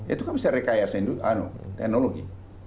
itu kami sering kaya teknologi